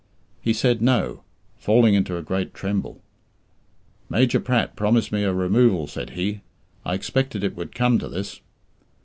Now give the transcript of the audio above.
He said "No," falling into a great tremble. "Major Pratt promised me a removal," said he. "I expected it would come to this."